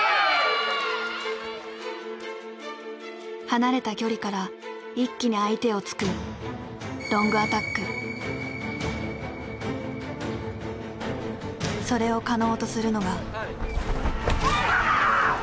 離れた距離から一気に相手を突くそれを可能とするのが。